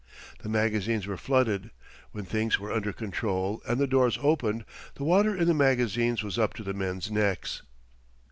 The magazines were flooded; when things were under control and the doors opened, the water in the magazines was up to the men's necks.